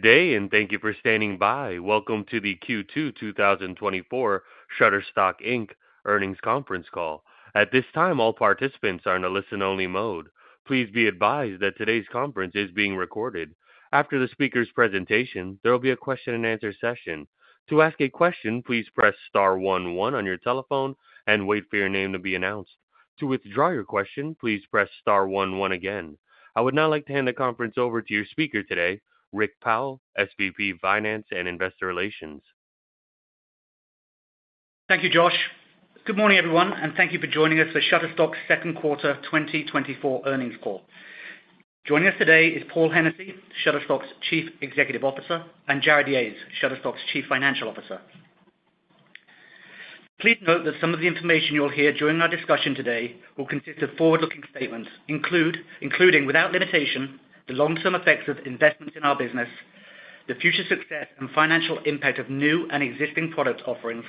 Good day, and thank you for standing by. Welcome to the Q2 2024 Shutterstock, Inc. Earnings Conference Call. At this time, all participants are in a listen-only mode. Please be advised that today's conference is being recorded. After the speaker's presentation, there will be a question-and-answer session. To ask a question, please press star one one on your telephone and wait for your name to be announced. To withdraw your question, please press star one one aG&Ain. I would now like to hand the conference over to your speaker today, Rik Powell, SVP Finance and Investor Relations. Thank you, Josh. Good morning, everyone, and thank you for joining us for Shutterstock's second quarter 2024 earnings call. Joining us today is Paul Hennessy, Shutterstock's Chief Executive Officer, and Jarrod Yahes, Shutterstock's Chief Financial Officer. Please note that some of the information you'll hear during our discussion today will consist of forward-looking statements, including, without limitation, the long-term effects of investments in our business, the future success and financial impact of new and existing product offerings,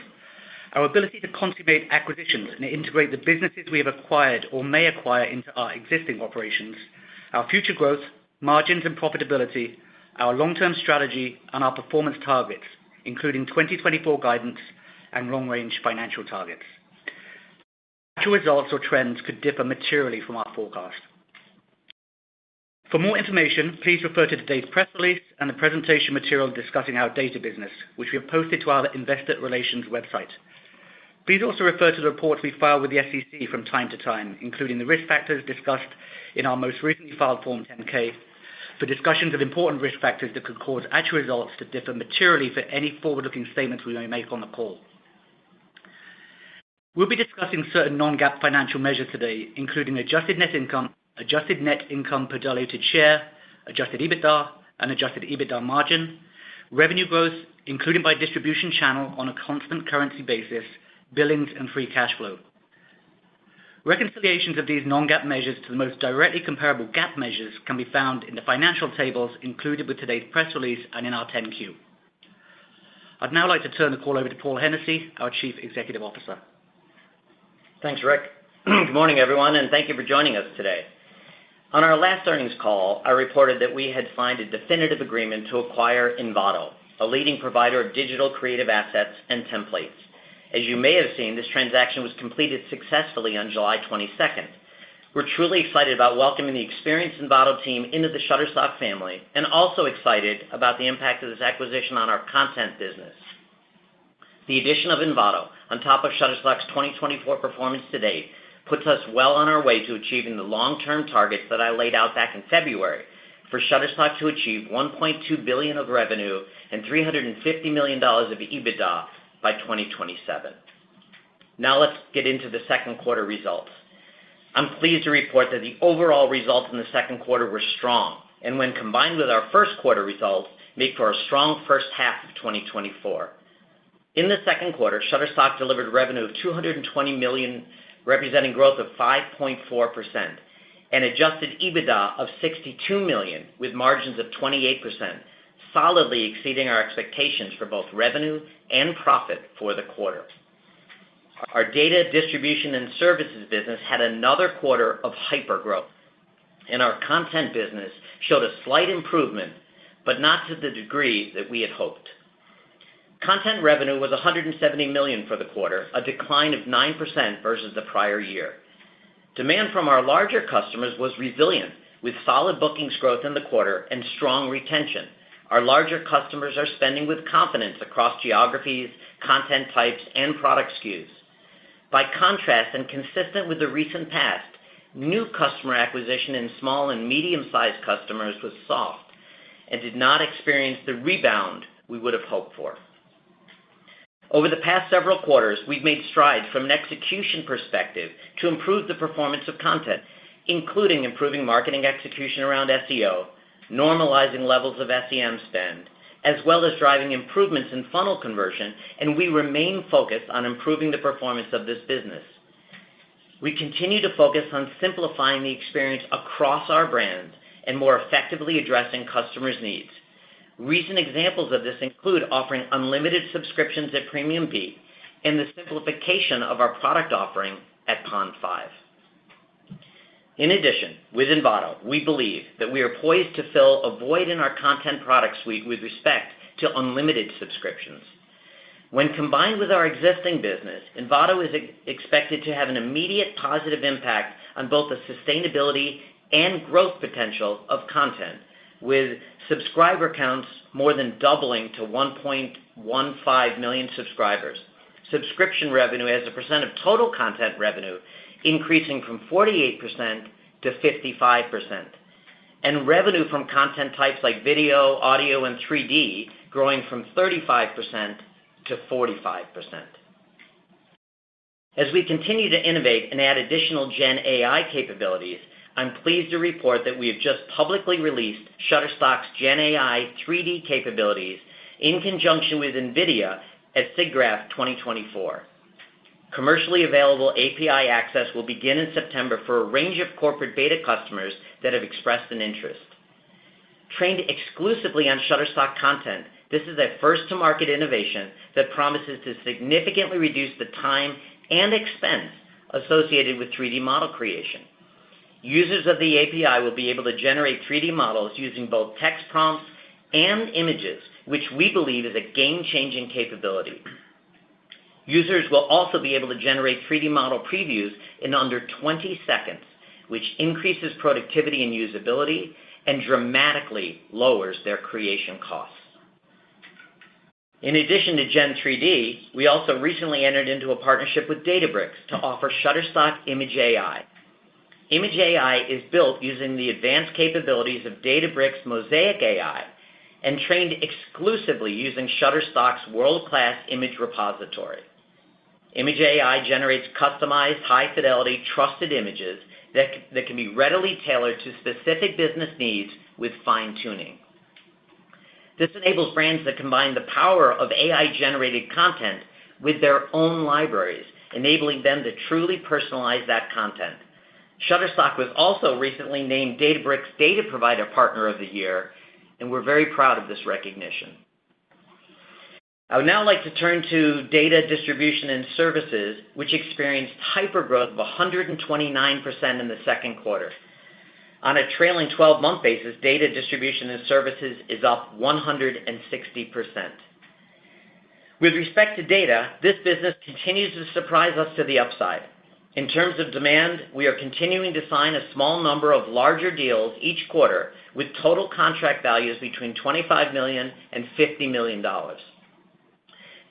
our ability to consummate acquisitions and integrate the businesses we have acquired or may acquire into our existing operations, our future growth, margins, and profitability, our long-term strategy, and our performance targets, including 2024 guidance and long-range financial targets. Actual results or trends could differ materially from our forecast. For more information, please refer to today's press release and the presentation material discussing our data business, which we have posted to our Investor Relations website. Please also refer to the reports we file with the SEC from time to time, including the risk factors discussed in our most recently filed Form 10-K, for discussions of important risk factors that could cause actual results to differ materially from any forward-looking statements we may make on the call. We'll be discussing certain non-G&AAP financial measures today, including adjusted net income, adjusted net income per diluted share, adjusted EBITDA and adjusted EBITDA margin, revenue growth, including by distribution channel on a constant currency basis, billings, and free cash flow. Reconciliations of these non-G&AAP measures to the most directly comparable G&AAP measures can be found in the financial tables included with today's press release and in our 10-Q. I'd now like to turn the call over to Paul Hennessy, our Chief Executive Officer. Thanks, Rik. Good morning, everyone, and thank you for joining us today. On our last earnings call, I reported that we had signed a definitive agreement to acquire Envato, a leading provider of digital creative assets and templates. As you may have seen, this transaction was completed successfully on July 22. We're truly excited about welcoming the experienced Envato team into the Shutterstock family and also excited about the impact of this acquisition on our content business. The addition of Envato, on top of Shutterstock's 2024 performance to date, puts us well on our way to achieving the long-term targets that I laid out back in February for Shutterstock to achieve $1.2 billion of revenue and $350 million of EBITDA by 2027. Now, let's get into the second quarter results. I'm pleased to report that the overall results in the second quarter were strong, and when combined with our first quarter results, make for a strong first half of 2024. In the second quarter, Shutterstock delivered revenue of $220 million, representing growth of 5.4%, and Adjusted EBITDA of $62 million, with margins of 28%, solidly exceeding our expectations for both revenue and profit for the quarter. Our data distribution and services business had another quarter of hypergrowth, and our content business showed a slight improvement, but not to the degree that we had hoped. Content revenue was $170 million for the quarter, a decline of 9% versus the prior year. Demand from our larger customers was resilient, with solid bookings growth in the quarter and strong retention. Our larger customers are spending with confidence across geographies, content types, and product SKUs. By contrast, and consistent with the recent past, new customer acquisition in small and medium-sized customers was soft and did not experience the rebound we would have hoped for. Over the past several quarters, we've made strides from an execution perspective to improve the performance of content, including improving marketing execution around SEO, normalizing levels of SEM spend, as well as driving improvements in funnel conversion, and we remain focused on improving the performance of this business. We continue to focus on simplifying the experience across our brands and more effectively addressing customers' needs. Recent examples of this include offering unlimited subscriptions at PremiumBeat and the simplification of our product offering at Pond5. In addition, with Envato, we believe that we are poised to fill a void in our content product suite with respect to unlimited subscriptions. When combined with our existing business, Envato is expected to have an immediate positive impact on both the sustainability and growth potential of content, with subscriber counts more than doubling to 1.15 million subscribers. Subscription revenue as a percent of total content revenue increasing from 48% to 55%, and revenue from content types like video, audio, and 3D growing from 35%-45%. As we continue to innovate and add additional Gen AI capabilities, I'm pleased to report that we have just publicly released Shutterstock's Gen AI 3D capabilities in conjunction with NVIDIA at SIGGRAPH 2024. Commercially available API access will begin in September for a range of corporate beta customers that have expressed an interest. Trained exclusively on Shutterstock content, this is a first-to-market innovation that promises to significantly reduce the time and expense associated with 3D model creation. Users of the API will be able to generate 3D models using both text prompts and images, which we believe is a G&Ame-changing capability. Users will also be able to generate 3D model previews in under 20 seconds, which increases productivity and usability and dramatically lowers their creation costs. In addition to Gen 3D, we also recently entered into a partnership with Databricks to offer Shutterstock Image AI. Image AI is built using the advanced capabilities of Databricks Mosaic AI, and trained exclusively using Shutterstock's world-class image repository. Image AI generates customized, high-fidelity, trusted images that can be readily tailored to specific business needs with fine-tuning. This enables brands to combine the power of AI-generated content with their own libraries, enabling them to truly personalize that content. Shutterstock was also recently named Databricks Data Provider Partner of the Year, and we're very proud of this recognition. I would now like to turn to data distribution and services, which experienced hypergrowth of 129% in the second quarter. On a trailing twelve-month basis, data distribution and services is up 160%. With respect to data, this business continues to surprise us to the upside. In terms of demand, we are continuing to sign a small number of larger deals each quarter, with total contract values between $25 million and $50 million.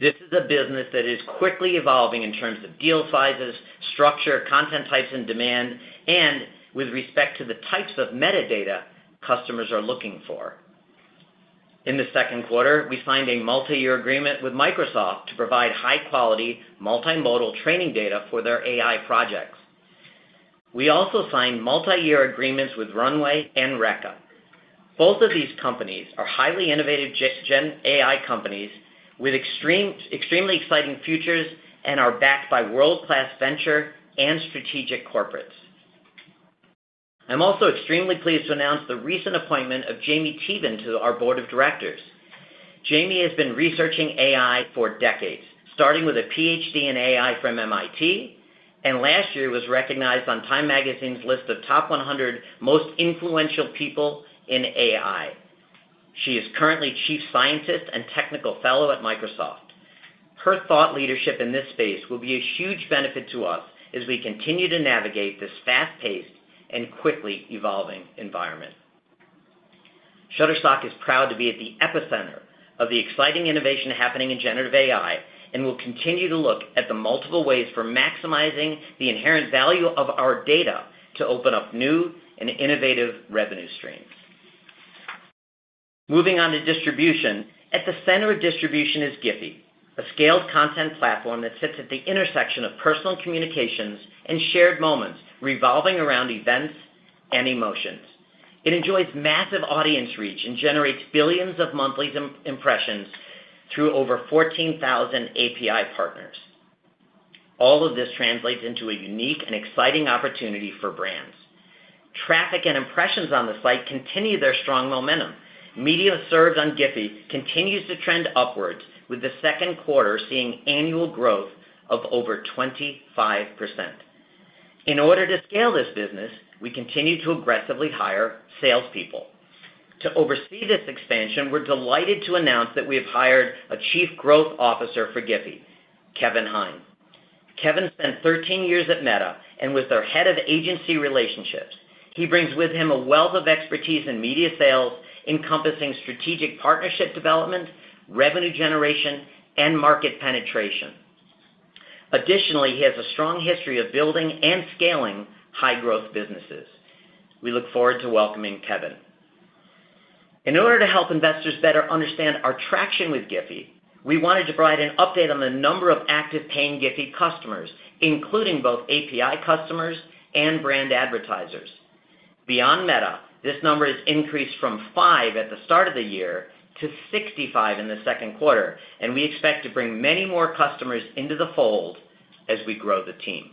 This is a business that is quickly evolving in terms of deal sizes, structure, content types, and demand, and with respect to the types of metadata customers are looking for. In the second quarter, we signed a multi-year agreement with Microsoft to provide high-quality, multimodal training data for their AI projects. We also signed multi-year agreements with Runway and Reka. Both of these companies are highly innovative Gen AI companies with extremely exciting futures and are backed by world-class venture and strategic corporates. I'm also extremely pleased to announce the recent appointment of Jaime Teevan to our board of directors. Jaime has been researching AI for decades, starting with a PhD in AI from MIT, and last year was recognized on Time MaG&Azine's list of top 100 most influential people in AI. She is currently Chief Scientist and Technical Fellow at Microsoft. Her thought leadership in this space will be a huge benefit to us as we continue to naviG&Ate this fast-paced and quickly evolving environment. Shutterstock is proud to be at the epicenter of the exciting innovation happening in generative AI, and we'll continue to look at the multiple ways for maximizing the inherent value of our data to open up new and innovative revenue streams. Moving on to distribution. At the center of distribution is GIPHY, a scaled content platform that sits at the intersection of personal communications and shared moments revolving around events and emotions. It enjoys massive audience reach and generates billions of monthly impressions through over 14,000 API partners. All of this translates into a unique and exciting opportunity for brands. Traffic and impressions on the site continue their strong momentum. Media services on GIPHY continues to trend upwards, with the second quarter seeing annual growth of over 25%. In order to scale this business, we continue to aggressively hire salespeople. To oversee this expansion, we're delighted to announce that we have hired a Chief Growth Officer for GIPHY, Kevin Hein. Kevin spent 13 years at Meta and was their Head of Agency Relationships. He brings with him a wealth of expertise in media sales, encompassing strategic partnership development, revenue generation, and market penetration. Additionally, he has a strong history of building and scaling high-growth businesses. We look forward to welcoming Kevin. In order to help investors better understand our traction with GIPHY, we wanted to provide an update on the number of active paying GIPHY customers, including both API customers and brand advertisers. Beyond Meta, this number has increased from 5 at the start of the year to 65 in the second quarter, and we expect to bring many more customers into the fold as we grow the team.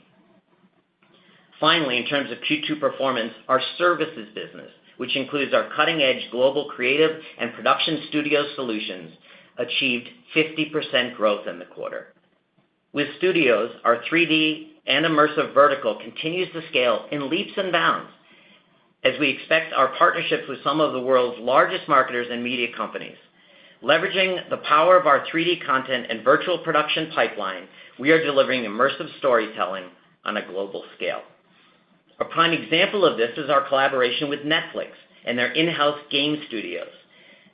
Finally, in terms of Q2 performance, our services business, which includes our cutting-edge global creative and production studio solutions, achieved 50% growth in the quarter. With studios, our 3D and immersive vertical continues to scale in leaps and bounds as we expect our partnerships with some of the world's largest marketers and media companies. Leveraging the power of our 3D content and virtual production pipeline, we are delivering immersive storytelling on a global scale. A prime example of this is our collaboration with Netflix and their in-house G&Ame studios.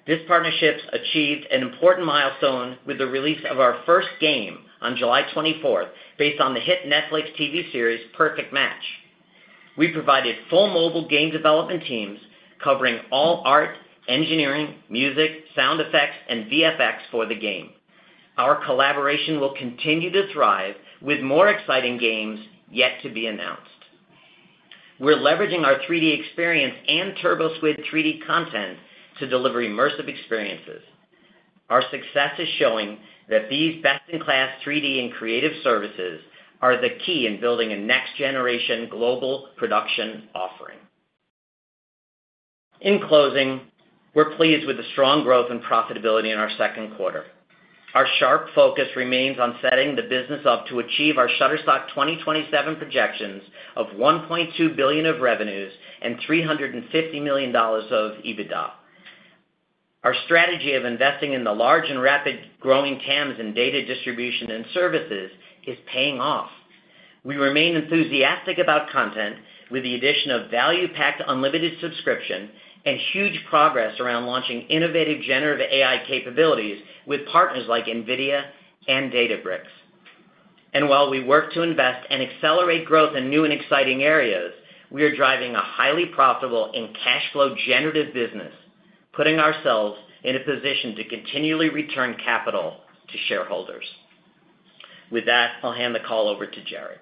This partnership's achieved an important milestone with the release of our first G&Ame on July 24, based on the hit Netflix TV series, Perfect Match. We provided full mobile G&Ame development teams covering all art, engineering, music, sound effects, and VFX for the G&Ame. Our collaboration will continue to thrive, with more exciting G&Ames yet to be announced. We're leveraging our 3D experience and TurboSquid 3D content to deliver immersive experiences. Our success is showing that these best-in-class 3D and creative services are the key in building a next-generation global production offering. In closing, we're pleased with the strong growth and profitability in our second quarter. Our sharp focus remains on setting the business up to achieve our Shutterstock 2027 projections of $1.2 billion of revenues and $350 million of EBITDA. Our strategy of investing in the large and rapidly growing TAMs in data distribution and services is paying off. We remain enthusiastic about content, with the addition of value-packed unlimited subscription and huge progress around launching innovative Generative AI capabilities with partners like NVIDIA and Databricks. And while we work to invest and accelerate growth in new and exciting areas, we are driving a highly profitable and cash flow generative business, putting ourselves in a position to continually return capital to shareholders. With that, I'll hand the call over to Jarrod.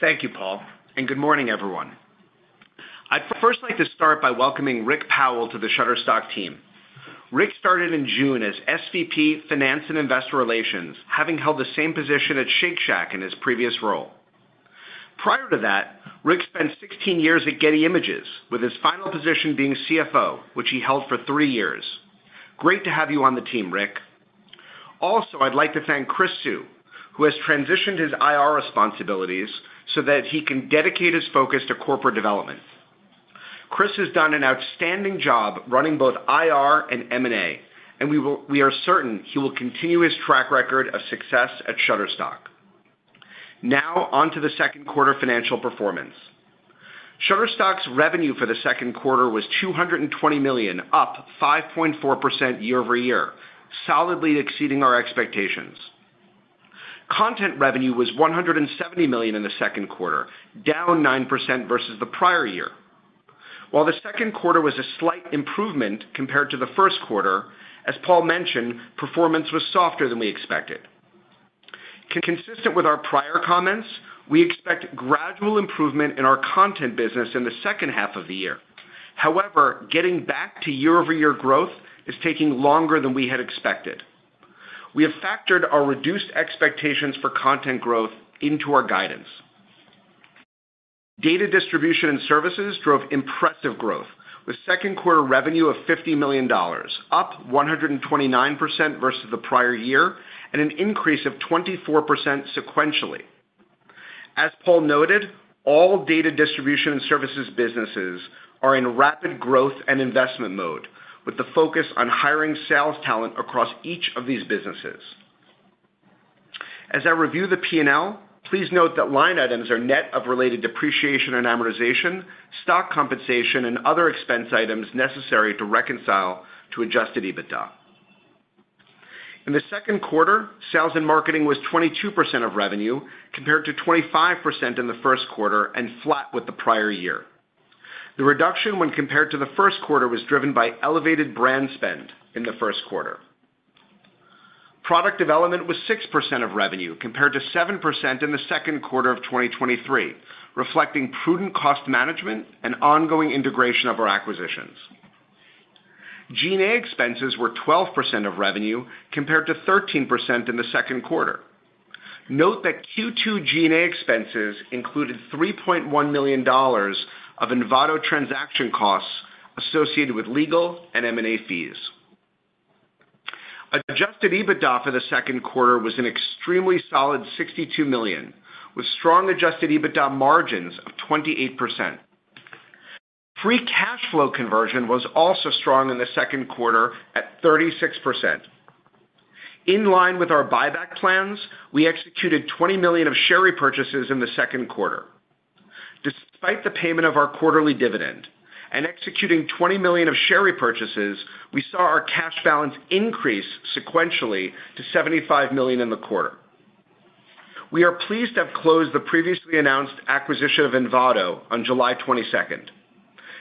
Thank you, Paul, and good morning, everyone. I'd first like to start by welcoming Rik Powell to the Shutterstock team. Rik started in June as SVP, Finance and Investor Relations, having held the same position at Shake Shack in his previous role. Prior to that, Rik spent 16 years at Getty Images, with his final position being CFO, which he held for 3 years. Great to have you on the team, Rik. Also, I'd like to thank Chris Hsu, who has transitioned his IR responsibilities so that he can dedicate his focus to corporate development. Chris has done an outstanding job running both IR and M&A, and we are certain he will continue his track record of success at Shutterstock. Now, on to the second quarter financial performance. Shutterstock's revenue for the second quarter was $220 million, up 5.4% year-over-year, solidly exceeding our expectations. Content revenue was $170 million in the second quarter, down 9% versus the prior-year. While the second quarter was a slight improvement compared to the first quarter, as Paul mentioned, performance was softer than we expected. Consistent with our prior comments, we expect gradual improvement in our content business in the second half of the year. However, getting back to year-over-year growth is taking longer than we had expected. We have factored our reduced expectations for content growth into our guidance. Data distribution and services drove impressive growth, with second quarter revenue of $50 million, up 129% versus the prior year and an increase of 24% sequentially. As Paul noted, all data distribution and services businesses are in rapid growth and investment mode, with the focus on hiring sales talent across each of these businesses. As I review the P&L, please note that line items are net of related depreciation and amortization, stock compensation, and other expense items necessary to reconcile to adjusted EBITDA. In the second quarter, sales and marketing was 22% of revenue, compared to 25% in the first quarter and flat with the prior year. The reduction when compared to the first quarter, was driven by elevated brand spend in the first quarter. Product development was 6% of revenue, compared to 7% in the second quarter of 2023, reflecting prudent cost management and ongoing integration of our acquisitions. G&A expenses were 12% of revenue, compared to 13% in the second quarter. Note that Q2 G&A expenses included $3.1 million of Envato transaction costs associated with leG&Al and M&A fees. Adjusted EBITDA for the second quarter was an extremely solid $62 million, with strong adjusted EBITDA margins of 28%. Free cash flow conversion was also strong in the second quarter at 36%. In line with our buyback plans, we executed $20 million of share repurchases in the second quarter. Despite the payment of our quarterly dividend and executing $20 million of share repurchases, we saw our cash balance increase sequentially to $75 million in the quarter. We are pleased to have closed the previously announced acquisition of Envato on July 22.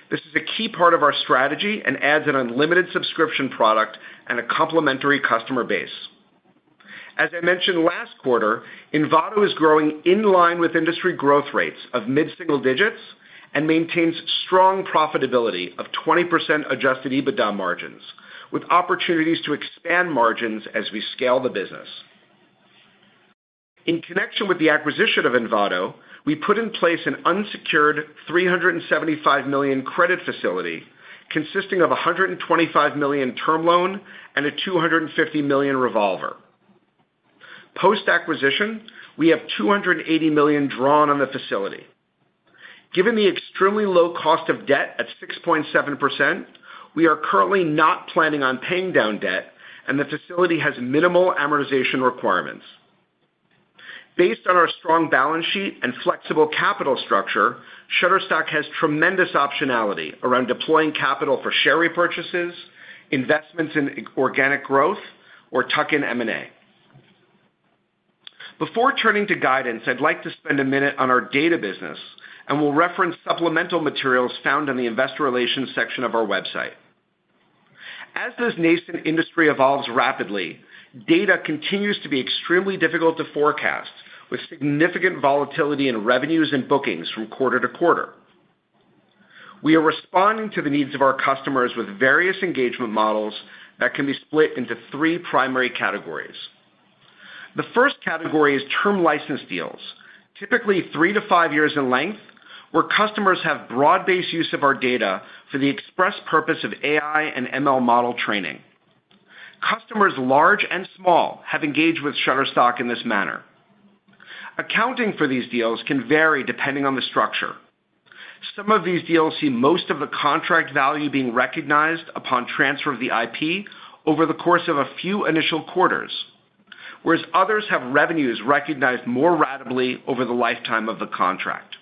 This is a key part of our strategy and adds an unlimited subscription product and a complementary customer base. As I mentioned last quarter, Envato is growing in line with industry growth rates of mid-single digits and maintains strong profitability of 20% Adjusted EBITDA margins, with opportunities to expand margins as we scale the business. In connection with the acquisition of Envato, we put in place an unsecured $375 million credit facility, consisting of a $125 million term loan and a $250 million revolver. Post-acquisition, we have $280 million drawn on the facility. Given the extremely low cost of debt at 6.7%, we are currently not planning on paying down debt, and the facility has minimal amortization requirements. Based on our strong balance sheet and flexible capital structure, Shutterstock has tremendous optionality around deploying capital for share repurchases, investments in orG&Anic growth, or tuck-in M&A. Before turning to guidance, I'd like to spend a minute on our data business, and we'll reference supplemental materials found on the investor relations section of our website. As this nascent industry evolves rapidly, data continues to be extremely difficult to forecast, with significant volatility in revenues and bookings from quarter to quarter. We are responding to the needs of our customers with various enG&Agement models that can be split into three primary categories. The first category is term license deals, typically three to five years in length, where customers have broad-based use of our data for the express purpose of AI and ML model training. Customers large and small have enG&Aged with Shutterstock in this manner. Accounting for these deals can vary depending on the structure. Some of these deals see most of the contract value being recognized upon transfer of the IP over the course of a few initial quarters, whereas others have revenues recognized more ratably over the lifetime of the contract.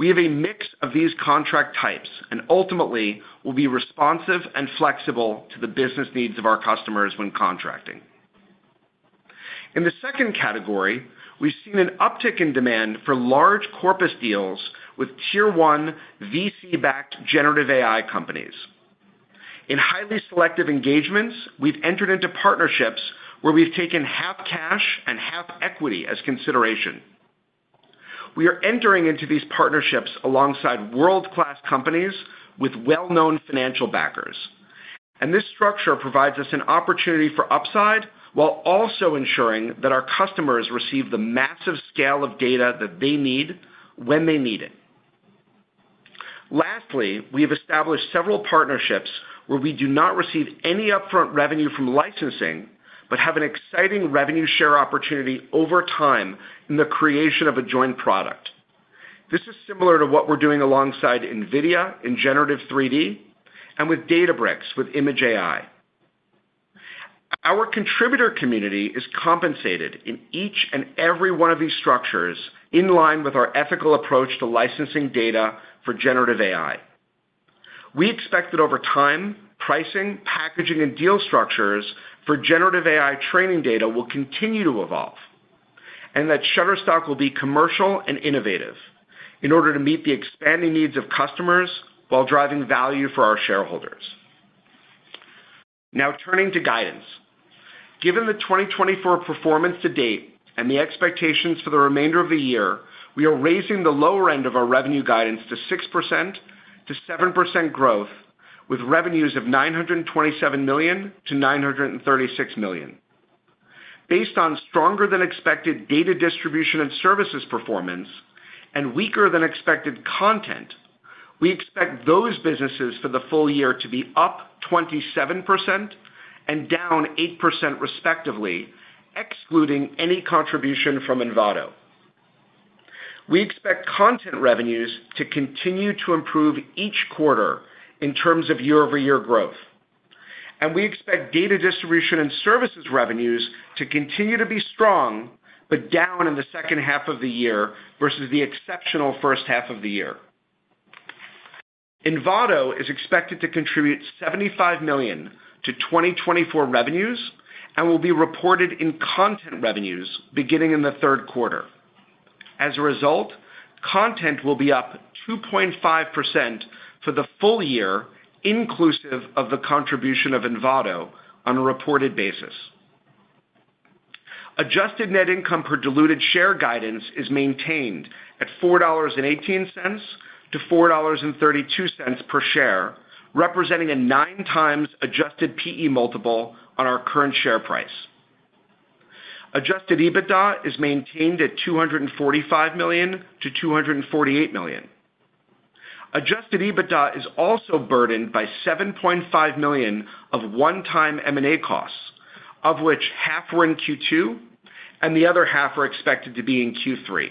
We have a mix of these contract types and ultimately will be responsive and flexible to the business needs of our customers when contracting. In the second category, we've seen an uptick in demand for large corpus deals with tier one VC-backed generative AI companies. In highly selective enG&Agements, we've entered into partnerships where we've taken half cash and half equity as consideration. We are entering into these partnerships alongside world-class companies with well-known financial backers, and this structure provides us an opportunity for upside, while also ensuring that our customers receive the massive scale of data that they need, when they need it. Lastly, we have established several partnerships where we do not receive any upfront revenue from licensing, but have an exciting revenue share opportunity over time in the creation of a joint product. This is similar to what we're doing alongside NVIDIA in generative 3D and with Databricks, with Image AI. Our contributor community is compensated in each and every one of these structures, in line with our ethical approach to licensing data for generative AI. We expect that over time, pricing, packaging, and deal structures for generative AI training data will continue to evolve, and that Shutterstock will be commercial and innovative in order to meet the expanding needs of customers while driving value for our shareholders. Now, turning to guidance. Given the 2024 performance to date and the expectations for the remainder of the year, we are raising the lower end of our revenue guidance to 6%-7% growth, with revenues of $927 million-$936 million. Based on stronger than expected data distribution and services performance and weaker than expected content, we expect those businesses for the full year to be up 27% and down 8%, respectively, excluding any contribution from Envato. We expect content revenues to continue to improve each quarter in terms of year-over-year growth, and we expect data distribution and services revenues to continue to be strong, but down in the second half of the year versus the exceptional first half of the year. Envato is expected to contribute $75 million to 2024 revenues and will be reported in content revenues beginning in the third quarter. As a result, content will be up 2.5% for the full year, inclusive of the contribution of Envato on a reported basis. Adjusted Net Income per diluted share guidance is maintained at $4.18-$4.32 per share, representing a 9x adjusted PE multiple on our current share price. Adjusted EBITDA is maintained at $245 million-$248 million. Adjusted EBITDA is also burdened by $7.5 million of one-time M&A costs, of which half were in Q2 and the other half are expected to be in Q3.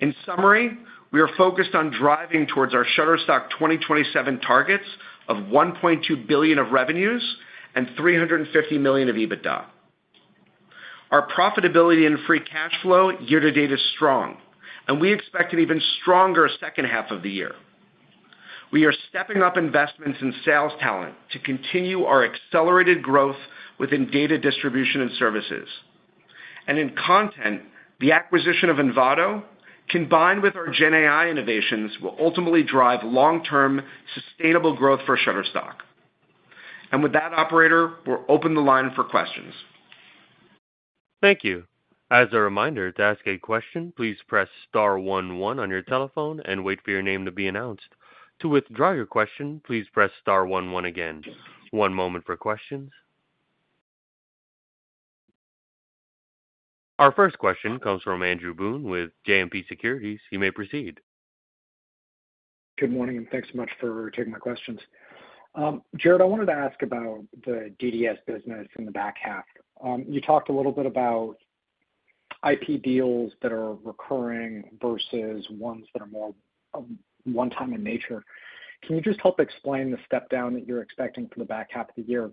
In summary, we are focused on driving towards our Shutterstock 2027 targets of $1.2 billion of revenues and $350 million of EBITDA. Our profitability and Free Cash Flow year to date is strong, and we expect an even stronger second half of the year. We are stepping up investments in sales talent to continue our accelerated growth within data distribution and services. And in content, the acquisition of Envato, combined with our Gen AI innovations, will ultimately drive long-term sustainable growth for Shutterstock. And with that, operator, we'll open the line for questions. Thank you. As a reminder, to ask a question, please press star one one on your telephone and wait for your name to be announced. To withdraw your question, please press star one one aG&Ain. One moment for questions. Our first question comes from Andrew Boone with JMP Securities. You may proceed. Good morning, and thanks so much for taking my questions. Jarrod, I wanted to ask about the DDS business in the back half. You talked a little bit about IP deals that are recurring versus ones that are more one time in nature. Can you just help explain the step down that you're expecting for the back half of the year?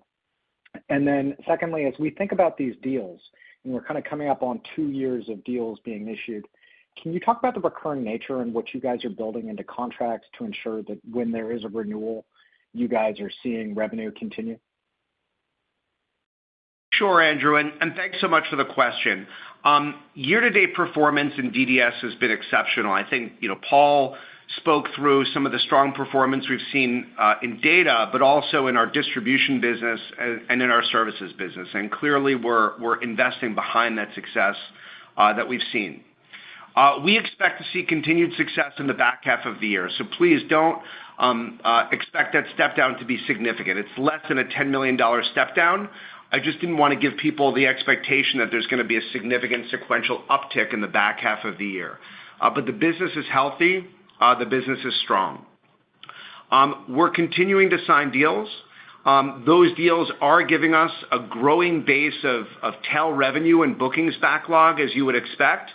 And then secondly, as we think about these deals, and we're kind of coming up on two years of deals being issued, can you talk about the recurring nature and what you guys are building into contracts to ensure that when there is a renewal, you guys are seeing revenue continue? Sure, Andrew, and thanks so much for the question. Year-to-date performance in DDS has been exceptional. I think, you know, Paul spoke through some of the strong performance we've seen in data, but also in our distribution business and in our services business. And clearly, we're investing behind that success that we've seen. We expect to see continued success in the back half of the year, so please don't expect that step down to be significant. It's less than a $10 million step down. I just didn't wanna give people the expectation that there's gonna be a significant sequential uptick in the back half of the year. But the business is healthy, the business is strong. We're continuing to sign deals. Those deals are giving us a growing base of tail revenue and bookings backlog, as you would expect.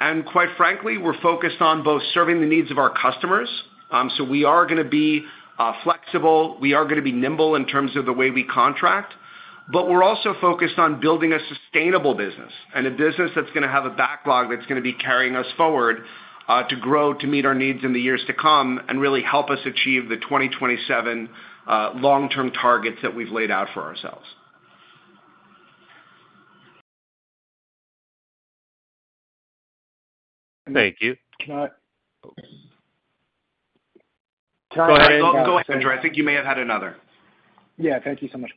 And quite frankly, we're focused on both serving the needs of our customers, so we are gonna be flexible, we are gonna be nimble in terms of the way we contract, but we're also focused on building a sustainable business and a business that's gonna have a backlog that's gonna be carrying us forward, to grow, to meet our needs in the years to come and really help us achieve the 2027 long-term targets that we've laid out for ourselves. Thank you. Can I- Go, go ahead, Andrew. I think you may have had another. Yeah, thank you so much.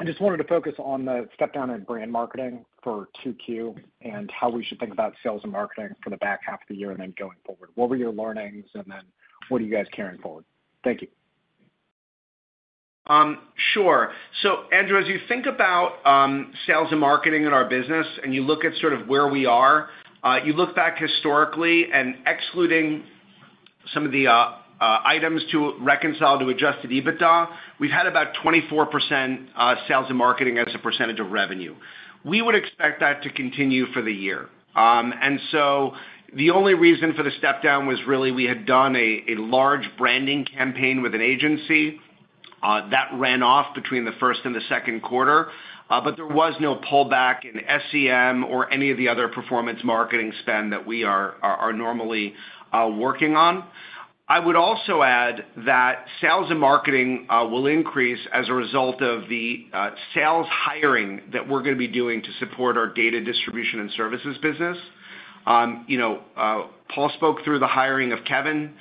I just wanted to focus on the step down in brand marketing for 2Q and how we should think about sales and marketing for the back half of the year and then going forward. What were your learnings, and then what are you guys carrying forward? Thank you. Sure. So, Andrew, as you think about sales and marketing in our business, and you look at sort of where we are, you look back historically and excluding some of the items to reconcile to Adjusted EBITDA, we've had about 24% sales and marketing as a percentage of revenue. We would expect that to continue for the year. And so the only reason for the step down was really we had done a large branding campaign with an agency that ran off between the first and the second quarter, but there was no pullback in SCM or any of the other performance marketing spend that we are normally working on. I would also add that sales and marketing will increase as a result of the sales hiring that we're gonna be doing to support our data distribution and services business. You know, Paul spoke through the hiring of Kevin.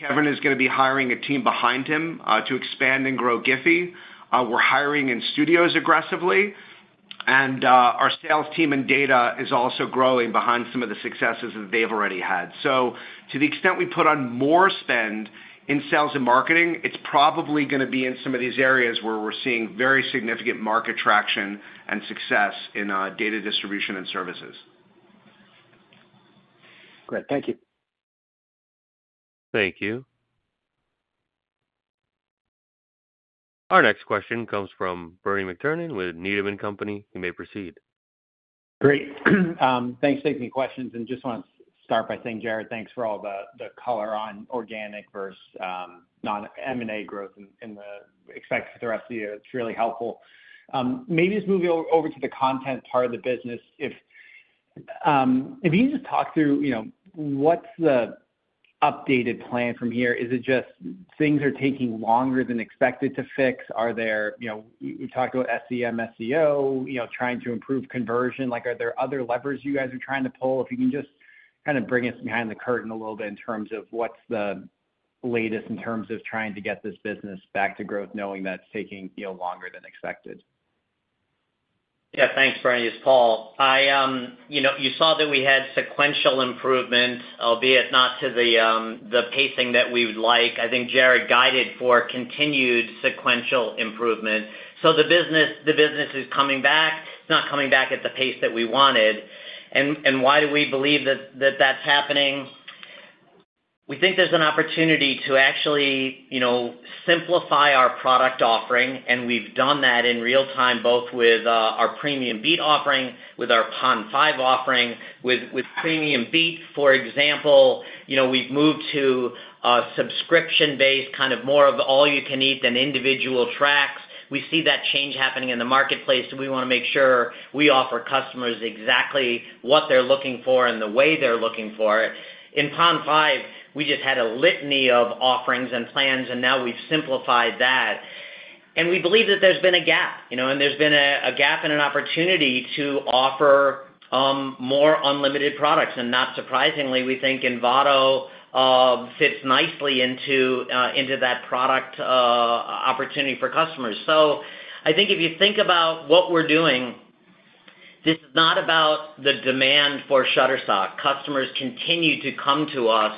Kevin is gonna be hiring a team behind him to expand and grow GIPHY. We're hiring in studios aggressively, and our sales team and data is also growing behind some of the successes that they've already had. So to the extent we put on more spend in sales and marketing, it's probably gonna be in some of these areas where we're seeing very significant market traction and success in data distribution and services. Great. Thank you. Thank you. Our next question comes from Bernie McTernan with Needham & Company. You may proceed. Great. Thanks for taking the questions, and just want to start by saying, Jarrod, thanks for all the, the color on orG&Anic versus, non M&A growth and, and the expects for the rest of the year. It's really helpful. Maybe just moving over to the content part of the business, if, if you just talk through, you know, what's the updated plan from here? Is it just things are taking longer than expected to fix? Are there, you know, you talked about SEM, SEO, you know, trying to improve conversion. Like, are there other levers you guys are trying to pull? If you can just kind of bring us behind the curtain a little bit in terms of what's the latest in terms of trying to get this business back to growth, knowing that it's taking, you know, longer than expected. Yeah, thanks, Bernie. It's Paul. I, you know, you saw that we had sequential improvements, albeit not to the, the pacing that we would like. I think Jared guided for continued sequential improvement. So the business, the business is coming back. It's not coming back at the pace that we wanted. And, and why do we believe that, that that's happening? We think there's an opportunity to actually, you know, simplify our product offering, and we've done that in real time, both with, our Premium Beat offering, with our Pond5 offering. With, with Premium Beat, for example, you know, we've moved to a subscription base, kind of more of all you can eat than individual tracks. We see that change happening in the marketplace, and we wanna make sure we offer customers exactly what they're looking for and the way they're looking for it. In Pond5, we just had a litany of offerings and plans, and now we've simplified that. We believe that there's been a G&Ap, you know, and there's been a G&Ap and an opportunity to offer more unlimited products. Not surprisingly, we think Envato fits nicely into that product opportunity for customers. So I think if you think about what we're doing, this is not about the demand for Shutterstock. Customers continue to come to us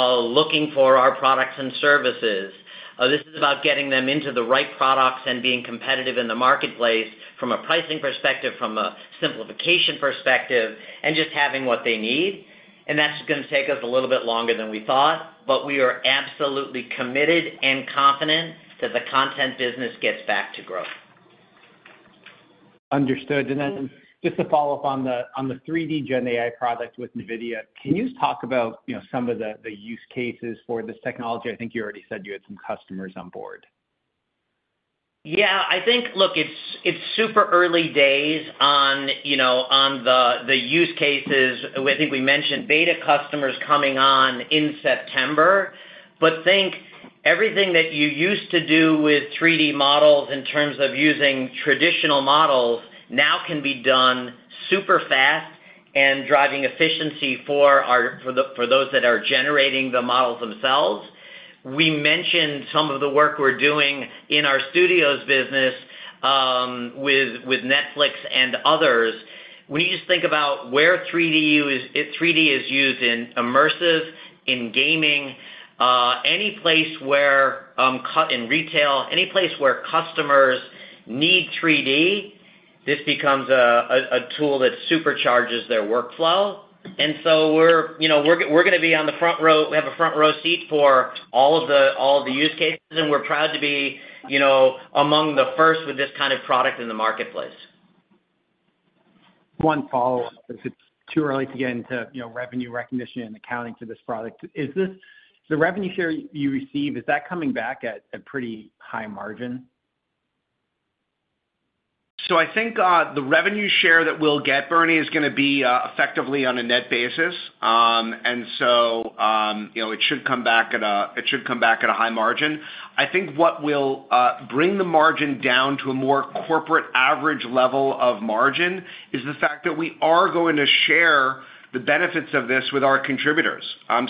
looking for our products and services. This is about getting them into the right products and being competitive in the marketplace from a pricing perspective, from a simplification perspective, and just having what they need, and that's gonna take us a little bit longer than we thought, but we are absolutely committed and confident that the content business gets back to growth. Understood. And then just to follow up on the 3D Gen AI product with NVIDIA, can you just talk about, you know, some of the use cases for this technology? I think you already said you had some customers on board. Yeah, I think, look, it's super early days on, you know, on the use cases. I think we mentioned beta customers coming on in September, but think everything that you used to do with 3D models in terms of using traditional models, now can be done super fast and driving efficiency for our for the, for those that are generating the models themselves. We mentioned some of the work we're doing in our studios business with Netflix and others. When you just think about where 3D is 3D is used in immersive, in G&Aming, any place where like in retail, any place where customers need 3D, this becomes a tool that supercharges their workflow. And so we're, you know, gonna be on the front row. We have a front row seat for all of the, all of the use cases, and we're proud to be, you know, among the first with this kind of product in the marketplace. One follow-up, if it's too early to get into, you know, revenue recognition and accounting to this product. Is this the revenue share you receive, is that coming back at a pretty high margin? So I think the revenue share that we'll get, Bernie, is gonna be effectively on a net basis. And so you know, it should come back at a high margin. I think what will bring the margin down to a more corporate average level of margin is the fact that we are going to share the benefits of this with our contributors.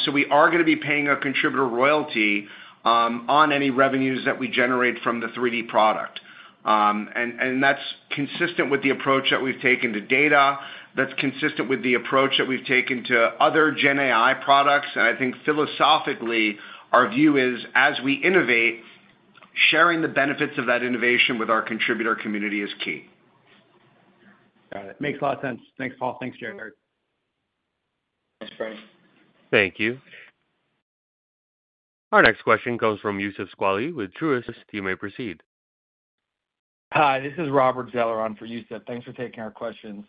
So we are gonna be paying a contributor royalty on any revenues that we generate from the 3D product. And that's consistent with the approach that we've taken to data, that's consistent with the approach that we've taken to other Gen AI products. And I think philosophically, our view is, as we innovate, sharing the benefits of that innovation with our contributor community is key. Got it. Makes a lot of sense. Thanks, Paul. Thanks, Jarrod. Thanks, Brian. Thank you. Our next question comes from Yusef Squali with Truist. You may proceed. Hi, this is Robert Zeller on for Yusef. Thanks for taking our questions.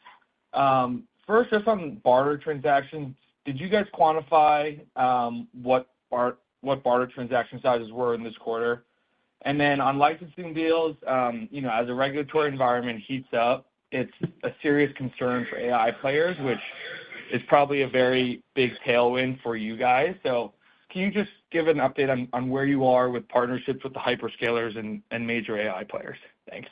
First, just on barter transactions, did you guys quantify what barter transaction sizes were in this quarter? And then on licensing deals, you know, as the regulatory environment heats up, it's a serious concern for AI players, which is probably a very big tailwind for you guys. So can you just give an update on where you are with partnerships with the hyperscalers and major AI players? Thanks.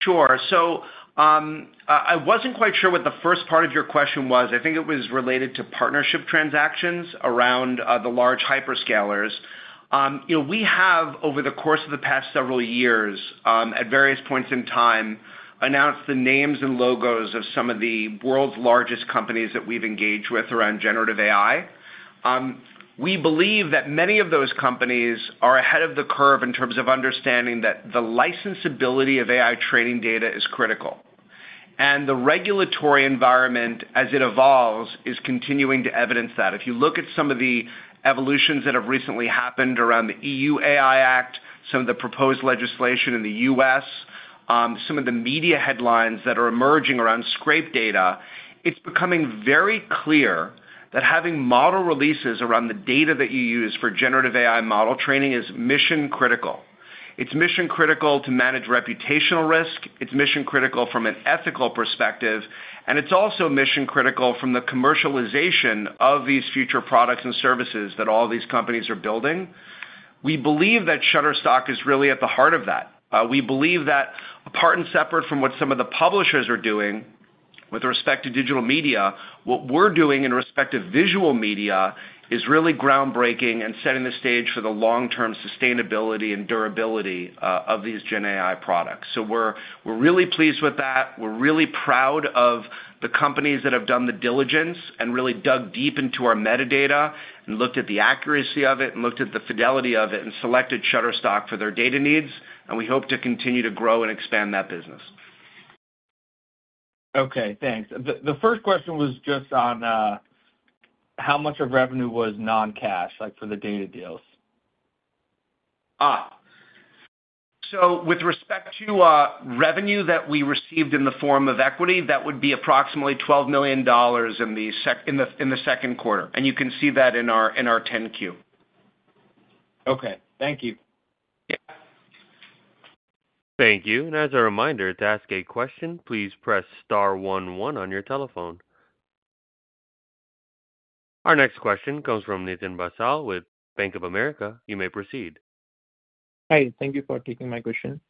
Sure. So, I wasn't quite sure what the first part of your question was. I think it was related to partnership transactions around the large hyperscalers. You know, we have, over the course of the past several years, at various points in time, announced the names and logos of some of the world's largest companies that we've enG&Aged with around generative AI. We believe that many of those companies are ahead of the curve in terms of understanding that the licensability of AI training data is critical, and the regulatory environment, as it evolves, is continuing to evidence that. If you look at some of the evolutions that have recently happened around the EU AI Act, some of the proposed legislation in the U.S., some of the media headlines that are emerging around scrape data, it's becoming very clear that having model releases around the data that you use for Generative AI model training is mission critical. It's mission critical to manage reputational risk, it's mission critical from an ethical perspective, and it's also mission critical from the commercialization of these future products and services that all these companies are building. We believe that Shutterstock is really at the heart of that. We believe that apart and separate from what some of the publishers are doing with respect to digital media, what we're doing in respect to visual media, is really groundbreaking and setting the stage for the long-term sustainability and durability of these Gen AI products. So we're, we're really pleased with that. We're really proud of the companies that have done the diligence and really dug deep into our metadata and looked at the accuracy of it, and looked at the fidelity of it, and selected Shutterstock for their data needs, and we hope to continue to grow and expand that business. Okay, thanks. The first question was just on how much of revenue was non-cash, like, for the data deals? Ah! So with respect to revenue that we received in the form of equity, that would be approximately $12 million in the second quarter, and you can see that in our 10-Q. Okay, thank you. Yeah. Thank you. As a reminder, to ask a question, please press star one, one on your telephone. Our next question comes from Nitin Bansal with Bank of America. You may proceed. Hi, thank you for taking my question.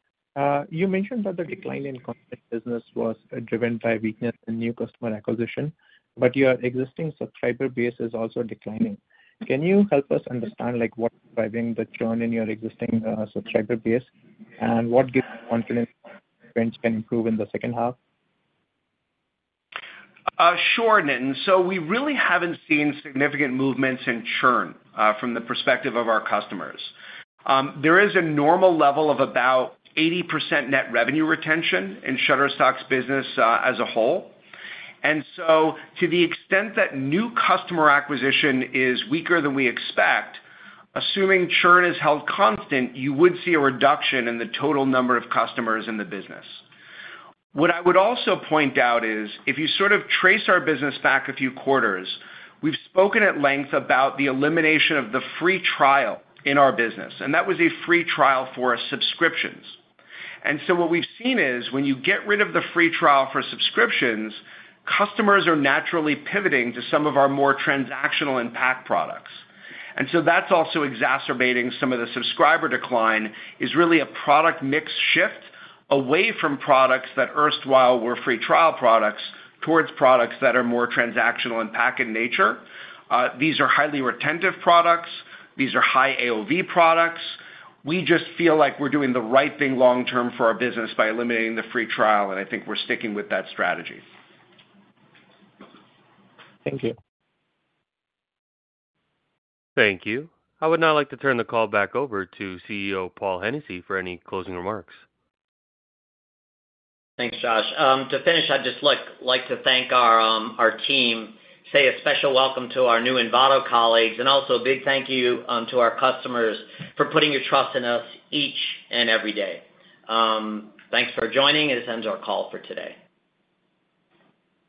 You mentioned that the decline in content business was driven by weakness in new customer acquisition, but your existing subscriber base is also declining. Can you help us understand, like, what driving the churn in your existing subscriber base? What gives you confidence things can improve in the second half? Sure, Nitin. So we really haven't seen significant movements in churn from the perspective of our customers. There is a normal level of about 80% net revenue retention in Shutterstock's business as a whole. And so to the extent that new customer acquisition is weaker than we expect, assuming churn is held constant, you would see a reduction in the total number of customers in the business. What I would also point out is, if you sort of trace our business back a few quarters, we've spoken at length about the elimination of the free trial in our business, and that was a free trial for subscriptions. And so what we've seen is, when you get rid of the free trial for subscriptions, customers are naturally pivoting to some of our more transactional and pack products. And so that's also exacerbating some of the subscriber decline, is really a product mix shift away from products that erstwhile were free trial products, towards products that are more transactional and pack in nature. These are highly retentive products. These are high AOV products. We just feel like we're doing the right thing long term for our business by eliminating the free trial, and I think we're sticking with that strategy. Thank you. Thank you. I would now like to turn the call back over to CEO, Paul Hennessy, for any closing remarks. Thanks, Josh. To finish, I'd just like to thank our team, say a special welcome to our new Envato colleagues, and also a big thank you to our customers for putting your trust in us each and every day. Thanks for joining, and this ends our call for today.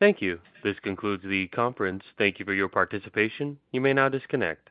Thank you. This concludes the conference. Thank you for your participation. You may now disconnect.